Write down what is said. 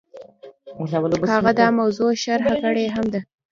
هغه دا موضوع شرح کړې هم ده.